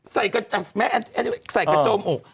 ใส่กระโจมอก